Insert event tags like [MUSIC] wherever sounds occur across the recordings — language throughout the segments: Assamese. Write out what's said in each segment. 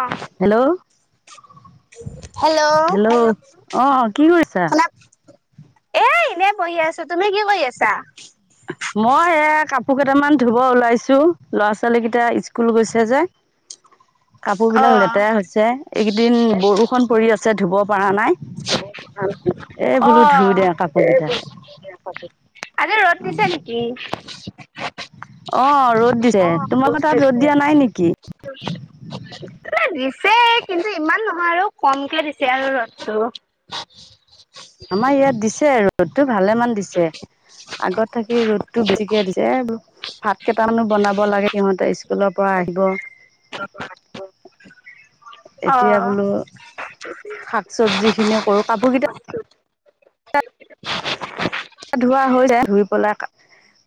অ হেল্ল' হেল্ল' অ কি কৰিছা শুনা এ এনে বহি আছো তুমি কি কৰি আছা [UNINTELLIGIBLE] মই এ কাপোৰ কেইটামান ধুব ওলাইছো ল'ৰা ছোৱালী কেইটা স্কুল গৈছে যে কাপোৰ অ বিলাক লেতেৰা হৈছে এইকেইদিন বৰষুন পৰি আছে ধুব পৰা নাই এই অ বোলো ধুই দে কাপোৰ এই কেইটা আজি ৰ'দ দিছে নেকি ৰ'দ দিছে অ তোমালোকৰ তাত ৰ'দ দিয়া নাই দিছে নেকি ছে কিন্তু ইমান নহয় আৰু কমকে দিছে আৰু ৰ'দটো আমাৰ ইয়াত দিছে ৰ'দটো ভালে মান দিছে আগত থাকি ৰ'দটো বেছিকে দিছে এইবোৰ কেইটামানো বনাব লাগে সিহঁতে স্কুলৰ পৰা আহিব অ এতিয়া বোলো শাক চবজি খিনিও কৰো কাপোৰ কিটা [UNINTELLIGIBLE] ধোৱা হৈ যাই ধুই পেলাই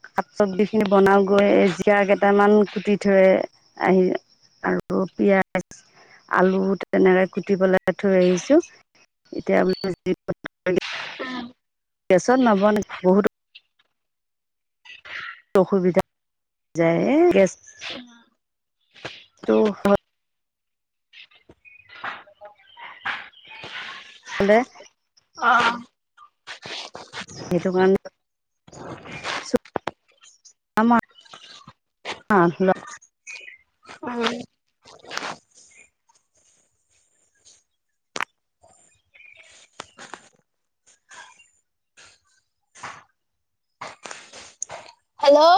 শাক চব্জি খিনি বনাও গৈ এই জিকা কেইটামান কুটি থৈ আহি আৰু পিয়াজ আলু তেনেকে কুটি পেলাই থৈ আহিছো এতিয়া গেছত নবনাই বহুতো অসুবিধা যায় এ গেছ তো হ হলে অ সেইটো কাৰণে আ উম হেল্ল'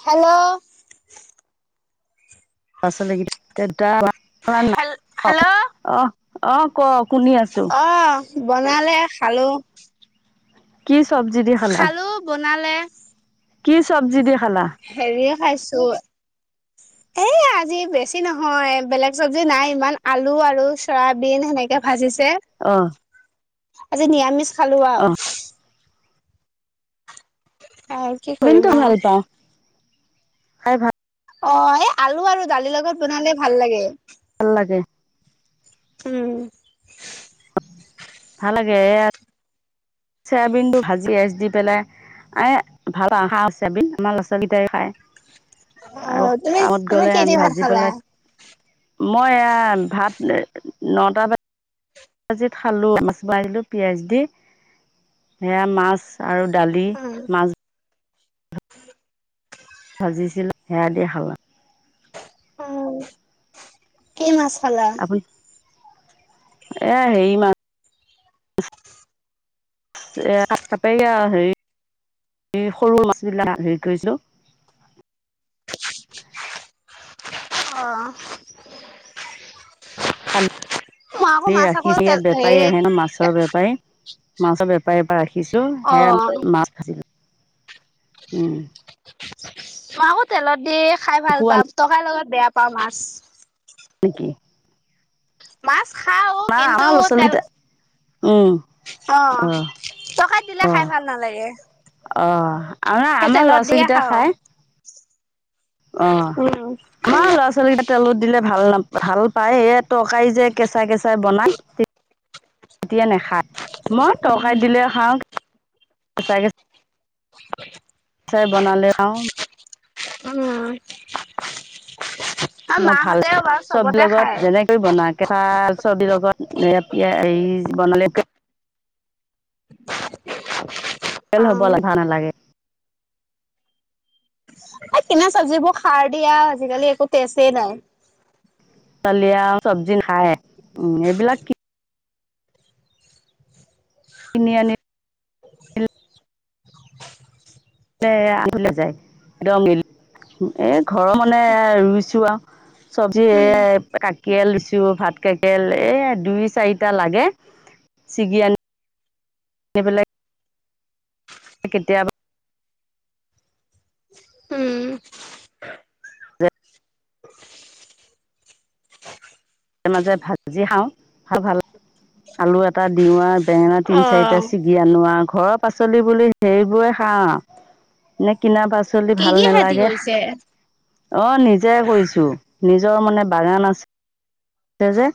হেল্ল', পাচলি [UNINTELLIGIBLE] হেল অহ হেল্ল' -অহ-অহ ক' শুনি আছো। অ বনালে খালো। কি চবজি দি খালা খালো বনালে। কি চব্জি দি খালা হেৰিয়ে খাইছো এই আজি [INAUDIBLE] বেছি নহয় বেলেগ চব্জি নাই ইমান আলু আৰু চয়াবিন সেনেকে ভাজিছে। অহ আজি নিৰামিষ খালো আও। অহ আও কি বিনটো কৰিম আও। ভাল পাওঁ খাই ভাল অহ, এই আলু আৰু দালিৰ লগত বনালে ভাল লাগে। ভাল লাগে। উম ভাল লাগে এয়া চয়াবিন টো ভাজি এচ দি পেলাই [UNINTELLIGIBLE] অ আৰু তুমি কামত তুমি গ'লে কি দি আমি ভাত ভাজি খালা পেলাই মই এয়া ভাত নটা বজাত ভাজি খালো মছলা দিলো পিয়াজ দি সেয়া মাছ আৰু দালি, মাছ [INAUDIBLE] ভাজিছিল সেয়া দি খালা। অহ, কি মাছ খালা? [INAUDIBLE] এয়া হেৰি মাছ [UNINTELLIGIBLE] এই সৰু মাছ বিলাক হেৰি কৰিছো অহ [INAUDIBLE] [UNINTELLIGIBLE] ৰাখি দিয়ে বেপাৰী আহে ন' মাছৰ বেপাৰী। মাছৰ বেপাৰীৰ পা ৰাখিছো। অ সেয়াই মাছ ভাজিম উম। মই আকৌ তেলত দি খাই ভাল খোৱা পাওঁ। তৰকাৰীৰ লগত বেয়া পাওঁ মাছ। নিকি [INAUDIBLE] মাছ নাই অহা ল'ৰা -ছোৱালী কেইটা। অহ, টৰকাৰিত দিলে খাই ভাল নালাগে। অহ, আৰু নাই সেই আমাৰ তেলত লৰা দিয়ে -ছোৱালীকেইটা খাও খাই। অহ, উম আমাৰ ল'ৰা -ছোৱালী কেতা তেলত দিলে ভাল নাপ ভাল পায় এই তৰকাৰী যে কেঁচা -কেঁচাই বনায় এতিয়া নেখায়। মই তৰকাৰীত দিলে খাওঁ [INAUDIBLE] কেঁচাই - কেঁচাই। [INAUDIBLE] চাই বনালে খাও। উম অ', মাহঁতে চব লগত যেনেকৈ বনা [UNINTELLIGIBLE] বনালেকে অ [UNINTELLIGIBLE] এই কিনা চব্জিবোৰ সাৰ দিয়া আজিকালি একো তেচেই নাই। দালি আউ চবজি খায়। উ এইবিলাক কি কিনি আনি [INAUDIBLE] খ যায় ৰঙিল [UNINTELLIGIBLE] এ ঘৰৰ মানে ৰুইছো আৰু চবজি উম এই কা কেল দিছোঁ ভাত কেকেল এই দুই চাৰিটা লাগে ছিগি আনি তে পেলাই কেতিয়াবা উম মাজে-মাজে ভাজি খাওঁ ভাল-ভাল আলু এটা দিও আউ বেঙেনা অ তিনি চাৰিটা চিগি আনো আউ ঘৰৰ পাচলি বুলি হেইবোৰে খাওঁ। এনে কিনা পাচ চলি কি ভাল কি খেতি নালাগে। কৰিছে অ নিজে কইছো নিজ নিজৰ মানে বাগান আছে যে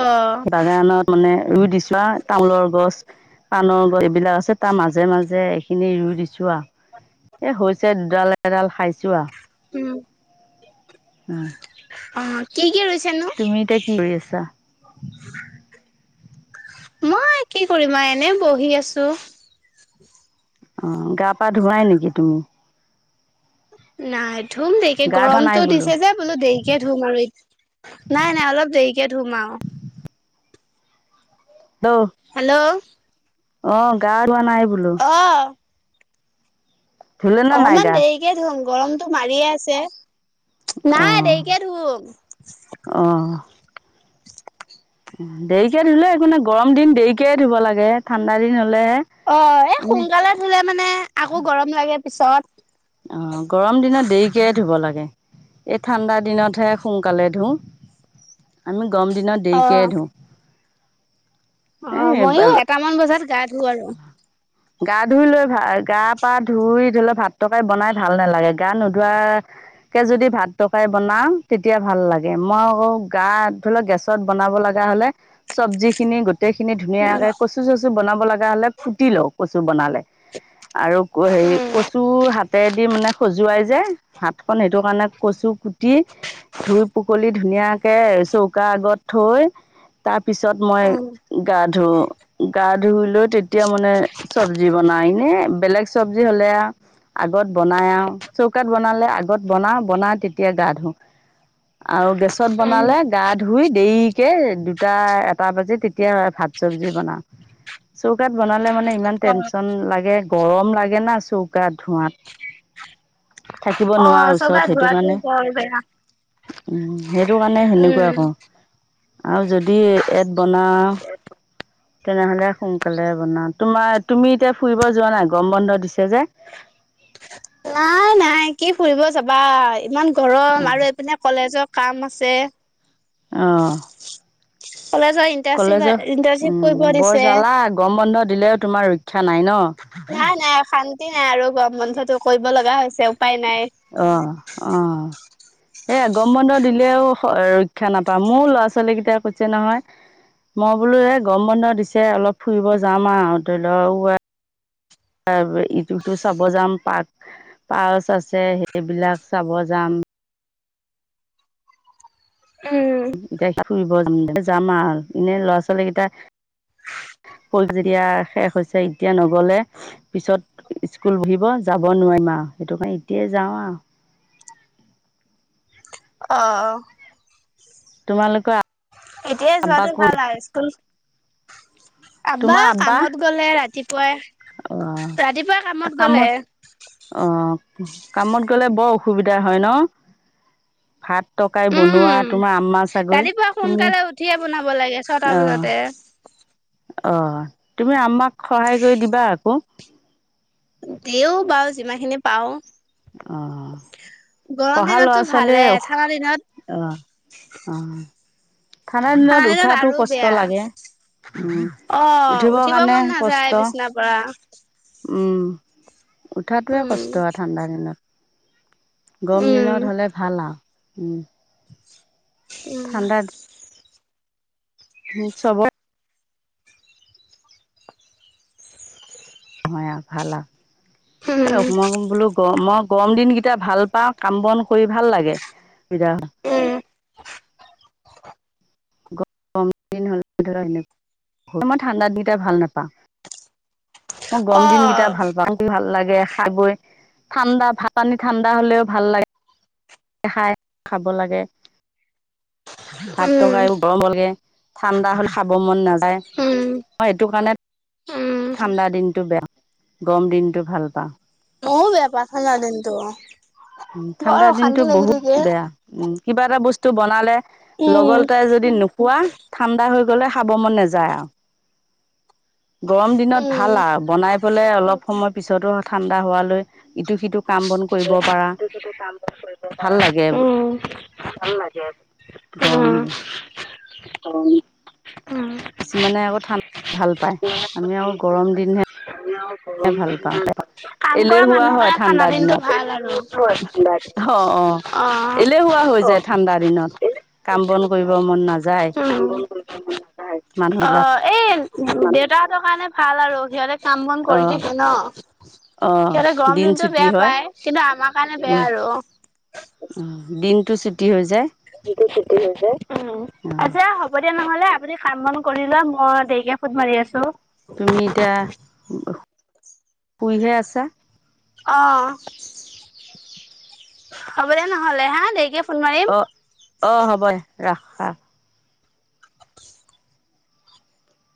অ সেই বাগানত মানে ৰুই দিছো আৰু তামোলৰ গছ, পানৰ গছ এই বিলাওচে তাৰ মাজে মাজে খিনি ৰুই দিছো আও, এ হৈছে দুডাল এডাল খাইছো আও। উম উম অ, কি-কি ৰুইছ? তুমি এতিয়া কি কৰি আছা? মই কি কৰিম আৰ এনে বহি আছো। অ গা পা ধুৱাই নেকি তুমি? নাই ধুম দেৰিকে গা ধোৱা নাই গৰমটো দিছে যে বোলো দেৰিকে ধুম আৰু। নাই-নাই অলপ দেৰিকে ধুম আও। হেল্ল' হেল্ল' অ গা ধুৱা নাই বোলো অহ ধুলে নে নাই অকমান গা দেৰিকে ধুম গৰমতটো মাৰিয়ে আছে। অ নাই দেৰিকে ধুম। অ দেৰিকে ধুলে একো নাই গৰম দিন দেৰিকে ধুব লাগে, ঠাণ্ডা দিন হ অ এ সোনকালে ধুলে মানে আকৌ গৰম লাগে পিছত। অ গৰম দিনত দেৰিকে ধুব লাগে। এই ঠাণ্ডা দিনতহে সোঙকালে ধুও, আমি গম দিনত অ দেৰিকে ধো। অ মইও এটামান বজাত গা ধো আৰু। গা ধুই লৈ ভা গা পা ধুই ধইল ভাত তকাই বনাই ভাল নালাগে, গান নোধোৱা কে যদি ভাত তকাই বনাও তেতিয়া ভাল লাগে, মই আকৌ গা ধৰি লওক গেছত বনাব লাগে তেতিয়া হ'লে চবজি খিনি গো গোটেইখিনি উম ধুনীয়াকে কচু চচু বনাব লগা হ'লে পুতি লও কচু বনালে। আৰু হেৰি উম কচু হাতেদি মানে সজুৱাই যে হাত খন সেইটো কাৰণে কচু কুটি ধুই পকলি ধুনীয়াকে চৌকা আগত থৈ তাত পিছত মই উম গা ধু গা ধুই লৈ তেতিয়া মানে চবজি বনাই, এনেই বেলেগ চবজি হলে আউ আগত বনাই আও, চৌকাত বনালে আগত বনাও, বনাই তেতিয়া গা ধোও। আৰু গেছত উম বনালে, গা ধুই দেৰিকে দুটা এটা বাজি তেতিয়া ভাত চবজি বনাও, চৌকাত বনালে মানে ইমান অ টেনচন লাগে, গৰম লাগে না চৌকাত ধোৱাত। থাকিব অ', নোৱাৰা চৌকাত ওচৰত সেইটো ধোৱাটো কাৰণে বৰ বেয়া, উ সেইটো কাৰণে সেনেকুৱা উম। ক আৰু যদি ইয়াত বনাও তেনেহলে সোনকালে বনাও, তোমাৰ তুমি এতিয়া ফুৰিব যোৱা নাই? গম বন্ধ দিছে যে। [INAUDIBLE] নাই নাই কি ফুৰিব যাবা ইমান গৰম আৰু এইপিনে কলেজত কাম আছে। অহ কলেজৰ ইণ্টাৰ্ণশ্বিপ কলেজৰ ইণ্টাৰ্ণশ্বিপ কৰিব উম বৰ দিছে। জালা গৰম বন্ধ দিলেও তোমাৰ ৰক্ষা নাই ন? নাই নাই শান্তি নাই আৰু গৰম বন্ধটো কৰিব লগা হৈছে। উপায় নাই। অ অ এই আ গম বন্ধ দিলেও [UNINTELLIGIBLE] শিক্ষা নাপাওঁ মোৰ ল'ৰা ছোৱালী কেইটাই কৈছে নহয়। মই বোলো এ গম বন্ধ দিছে অলপ ফুৰিব যাম আৰু ধৰি লও ত ইটো সিটো চাব যাম পাৰক পাৰ্চ আছে সেইবিলাক চাব যাম। উম এতিয়া ফুৰিব য যাম আৰু এনে ল'ৰা ছোৱালী কিতা [UNINTELLIGIBLE] হ'ল যেতিয়া শেষ হৈছে। এতিয়া নগলে পিছত স্কুল বহিব যাব নোৱাৰিম আও। সেইটোকাৰণে এতিয়া যাওঁ আও। অঁ, অঁ তোমালোকো আ এতিয়াই যোৱাটো ভাল আও স্কুল আব্বা কামত গ'লে ৰাতিপ্‌ পুৱাই, অ ৰাতিপুৱাই কামত গলে অ কামত গ'লে বৰ অসুবিধা হ'য় ন'। ভাত ৰ্টকাই উম, বনোৱা তোমাৰ আম্মা চাগৈ। ৰাতিপুৱা তুমি, সোনকালে উঠিয়ে বনাব লাগে ছটা আঁহ্‌ বজাতে। অঁ, তুমি আম্মাক সহায় কৰি দিবা আক। দিওঁ বাও, যিমাখিনি পাওঁ। অঁ পঢ়া লৰা দিনততো ভালে -ছোৱালীয়ে উৰ্হ, ঠাণ্ডা দিনত অঁ, আঁ ঠাণ্ডা দিনত উঠাতো কষ্ট লাগে। উম, অ' উঠিবৰ উঠিব কাৰণে মন নাযায় কষ্ট। বিচনাৰ পৰা। উম, উঠাটোৱে উম, কষ্ট আ ঠাণ্ডা দিনত। গৰম উম, দিনত হ'লে ভাল আও। উম ওঁ, চবই বই আও, ভাল আও। অকণমান বোলো গৰত গৰম দিনকেইটা ভাল পাওঁ। কাম -বন কৰি ভাল লাগে। হিজা উম, গৰম দিন হ'লে এইটো এটা এনেক্‌ মই ঠাণ্ডা দিনকেইটা ভাল নাপাওঁ। [UNINTELLIGIBLE] মই গৰম দিন কেইটা অ' ভাল পাওঁ। মুখ ধুই ভাল লাগে? খাই- বৈ। ঠাণ্ডা, ভাত -পানী, ঠাণ্ডা হ'লেও ভাল লাগে। হে ষাই, [UNINTELLIGIBLE] খাব লাগে। ভাতটো উম, খাইও গৰম লাগে। ঠাণ্ডা হ'লে খাব মন নাযায়। উম, মই এইটো কাৰণে উম, ঠাণ্ডা দিনটো বেয়া, গৰম দিনটো ভাল পাওঁ। মওঁ বেয়া পাওঁ ঠাণ্ডাদিনটো। ওঁ ঠাণ্ডা দিনটো বহুত বেয়া। উম, কিবা এটা বস্তু বনালে উম, লগলতাই যদি নোখোৱা ঠাণ্ডা হৈ [UNINTELLIGIBLE] গ'লে খাব মন নাযায় আও। গৰম দিনত উম, ভাল আও বনাই পেলাই অলপ সময় পিছটো ঠাণ্ডা হোৱালৈ ইটো- সিটো, কাম- বন কৰিব পাৰা ইটো -সিটো, কাম -বন কৰিব ভাল লাগে পাৰা। উম, ভাল লাগে। গৰম দি [UNINTELLIGIBLE] অ ম কিছুমানে আকৌ ঠাণ্ডা ভাল পায়। আমি আকৌ গৰম দিনহে গৰম ভাল পাওঁ। দিনটোহে ভাল পায়। এলেহুৱা কাম হয় কৰা ঠাণ্ডা মানুহৰ দিনত কাৰনে ঠাণ্ডা দিনটো ভাল অ', আৰু অ'। ৰ'দ পৰে ঠাণ্ডা এলেহুৱা হৈ দিনটো। যায় আঁ--অঁ ঠাণ্ডা দিনত। তেনেকুৱাই। ৰ'দ কাম ওলায় বন কৰিব দিনটো। মন উম, নাযায় কাম-বন কৰিব মন নাযায়। অঁ এই মানুহবিলাক ওঁ, ওঁ দেউতাহঁতৰ কাৰণে ভাল আৰু সিহঁতে কাম -বন কৰি অ', থাকে ন'। অ', সিহঁতে গৰম দিন দিনটো ছুটি বেয়া হয়। পায় কিন্তু আমা কাৰণে বেয়া উম আৰু। টি হৈ যায়। দিন চুটি হৈ যায়। উম, অঁ এতিয়া হ'ব দিয়া নহ'লে আপুনি কাম -বন কৰি লোৱা। মই দেৰিকে ফোন মাৰি আছো। তুমি এতিয়া, শুইহে আছা? অঁ, হ'ব দে নহ'লে হাঁ দেৰিকে ফোন মাৰিম। অ, অঁ হ'ব ৰাখ ৰাখ।